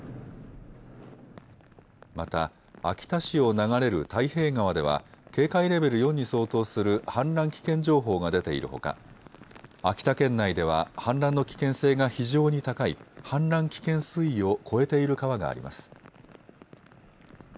また秋田市を流れる太平川では警戒レベル４に相当する氾濫危険情報が出ているほか秋田県内では氾濫の危険性が非常に高い氾濫危険水位を超えている川があります。